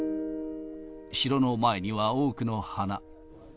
城の前には多くの花。